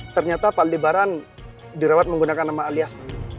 ternyata pak aldebaran dirawat menggunakan nama alias pak